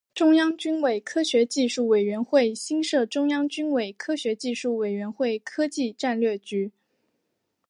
中央军委科学技术委员会新设中央军委科学技术委员会科技战略局。